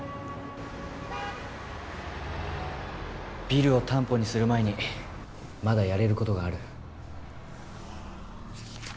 ビルを担保にする前にまだやれる事がある。